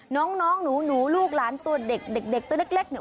น้องหนูลูกหลานตัวเด็กเด็กตัวเล็กเนี่ย